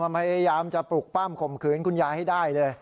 พยายามจะปลุกปั้มข่มขืนคุณยายให้ได้เลย